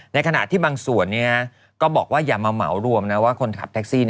ในขณะที่บางส่วนก็บอกว่าอย่ามาเหมารวมนะว่าคนขับแท็กซี่